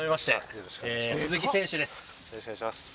よろしくお願いします。